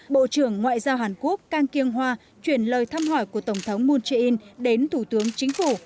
bộ trưởng ngoại giao hàn quốc cang kiêng hoa chuyển lời thăm hỏi của tổng thống moon jae in đến thủ tướng chính phủ